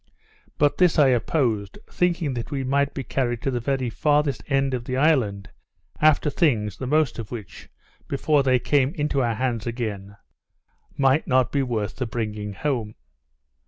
But this I opposed, thinking that we might be carried to the very farthest end of the island, after things, the most of which, before they came into our hands again, might not be worth the bringing home.